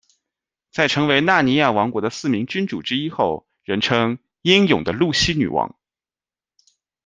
在成为纳尼亚王国的四名君主之一后，人称「英勇的露西女王」。